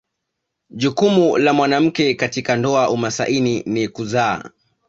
Jukumu la mwanamke katika ndoa umasaini ni kuzaa